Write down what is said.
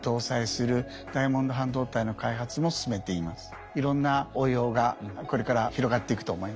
今いろんな応用がこれから広がっていくと思います。